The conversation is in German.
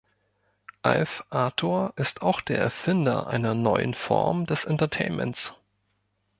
Alf Ator ist auch der Erfinder einer neuen Form des Entertainments.